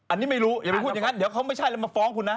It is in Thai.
อันนี้ไม่รู้อย่าไปพูดอย่างนั้นเดี๋ยวเขาไม่ใช่แล้วมาฟ้องคุณนะ